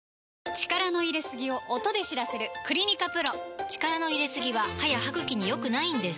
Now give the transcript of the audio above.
力の入れすぎを音で知らせる「クリニカＰＲＯ」力の入れすぎは歯や歯ぐきに良くないんです